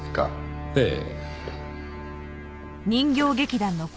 ええ。